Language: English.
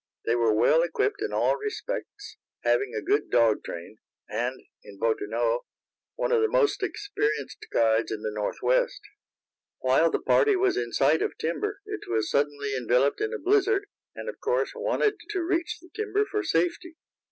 They were well equipped in all respects, having a good dog train, and, in Bottineau, one of the most experienced guides in the Northwest. While the party was in sight of timber it was suddenly enveloped in a blizzard, and, of course, wanted to reach the timber for safety.